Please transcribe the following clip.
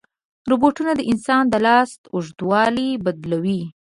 روبوټونه د انسان د لاس اوږدوالی بدلوي.